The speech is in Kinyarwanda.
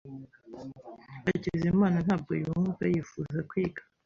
Hakizimana ntabwo yumva yifuza kwiga.